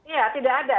ya tidak ada